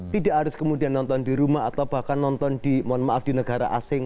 tidak harus kemudian nonton di rumah atau bahkan nonton di mohon maaf di negara asing